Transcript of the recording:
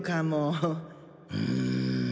うん。